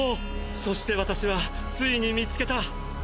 そして私はついに見つけた！